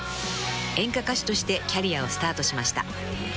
［演歌歌手としてキャリアをスタートしました］